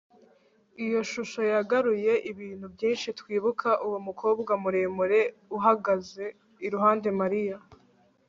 iyo shusho yagaruye ibintu byinshi twibuka uwo mukobwa muremure uhagaze iruhande mariya